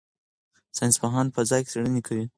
ساینس پوهان په فضا کې څېړنې کوي.